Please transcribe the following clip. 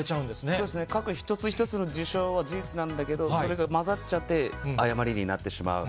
そうですね、各一つ一つの事象は事実なんだけど、それが混ざっちゃって、誤りになってしまう。